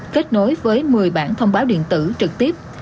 kết nối với một mươi bản thông báo điện tử trực tiếp